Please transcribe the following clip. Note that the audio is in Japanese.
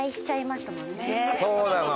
そうなの！